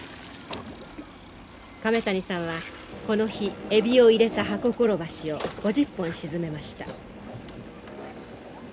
亀谷さんはこの日エビを入れた箱コロバシを５０本沈めました。